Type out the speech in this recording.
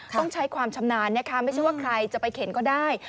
ต้องใช้ความชำนาญนะคะไม่ใช่ว่าใครจะไปเข็นก็ได้